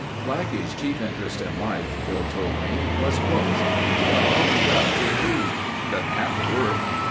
Blackie's chief interest in life, Bill told me was books. "About all he does is read. Doesn't have to work.